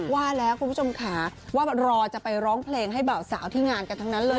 ว่าแล้วคุณผู้ชมค่ะว่ารอจะไปร้องเพลงให้เบาสาวที่งานกันทั้งนั้นเลย